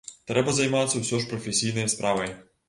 Трэба займацца ўсе ж прафесійнай справай.